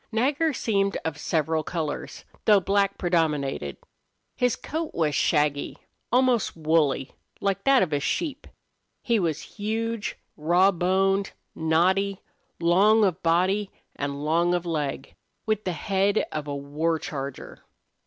Nagger seemed of several colors, though black predominated. His coat was shaggy, almost woolly, like that of a sheep. He was huge, raw boned, knotty, long of body and long of leg, with the head of a war charger.